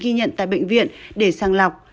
ghi nhận tại bệnh viện để sang lọc